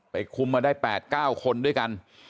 คุมมาได้๘๙คนด้วยกัน